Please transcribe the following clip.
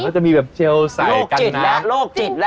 เขาจะมีแบบเชียวใสกันน้ำโรคจิตและโรคจิตและ